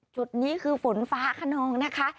จุดนี้คือฝนฟ้าขนองนะคะ